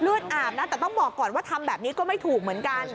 อาบนะแต่ต้องบอกก่อนว่าทำแบบนี้ก็ไม่ถูกเหมือนกัน